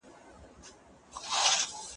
که د مړو پر نڅا خاندي